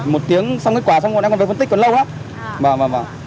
một tiếng xong kết quả xong rồi em còn phải phân tích còn lâu lắm